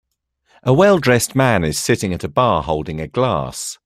A welldressed man is sitting at a bar holding a glass